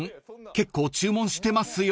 結構注文してますよ］